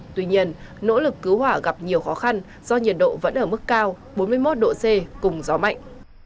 tuy nhiên nỗ lực cứu hỏa gặp nhiều khó khăn do nhiệt độ vẫn ở mức cao bốn mươi một độ c cùng gió mạnh